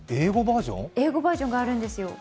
英語バージョンがあるんですよ。